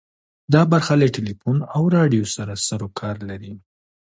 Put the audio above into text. دا برخه له ټلیفون او راډیو سره سروکار لري.